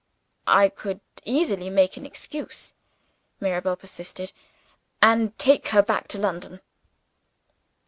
"I could easily make an excuse," Mirabel persisted "and take her back to London."